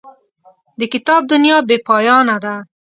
د کتاب دنیا بې پایانه ده.